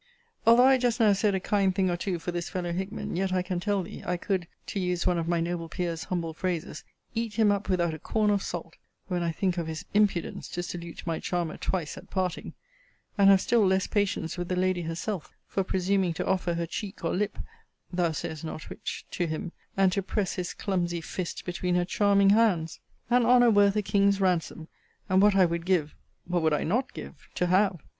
Although I just now said a kind thing or two for this fellow Hickman; yet I can tell thee, I could (to use one of my noble peer's humble phrases) eat him up without a corn of salt, when I think of his impudence to salute my charmer twice at parting:* And have still less patience with the lady herself for presuming to offer her cheek or lip [thou sayest not which] to him, and to press his clumsy fist between her charming hands. An honour worth a king's ransom; and what I would give what would I not give? to have!